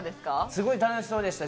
すごい楽しそうでした。